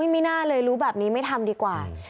ไม่น่าเลยรู้แบบนี้ไม่ทำดีกว่า